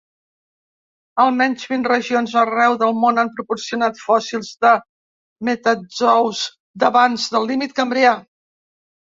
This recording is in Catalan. Almenys vint regions arreu del món han proporcionat fòssils de metazous d'abans del límit cambrià.